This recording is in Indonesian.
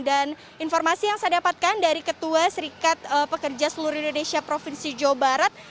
informasi yang saya dapatkan dari ketua serikat pekerja seluruh indonesia provinsi jawa barat